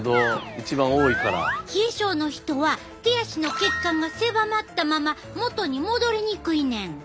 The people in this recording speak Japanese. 冷え症の人は手足の血管が狭まったまま元に戻りにくいねん。